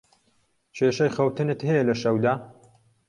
کێشەی خەوتنت هەیە لە شەودا؟